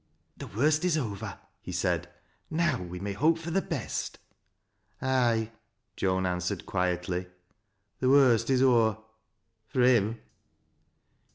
" The worst is over," he said ;" now we may hope for the best." '•' Ay," Joan answered, quietly, " th' worst is ower — f rj him."